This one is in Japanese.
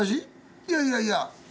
いやいやいや。